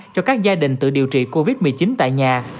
cho các gia đình tự điều trị covid một mươi chín tại nhà